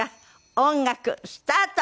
音楽スタート！